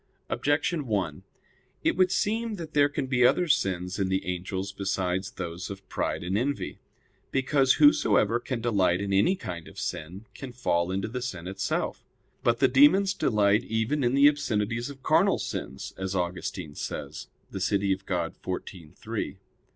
Objection 1: It would seem that there can be other sins in the angels besides those of pride and envy. Because whosoever can delight in any kind of sin, can fall into the sin itself. But the demons delight even in the obscenities of carnal sins; as Augustine says (De Civ. Dei xiv, 3).